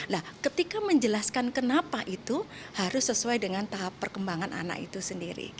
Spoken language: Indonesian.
nah ketika menjelaskan kenapa itu harus sesuai dengan tahap perkembangan anak itu sendiri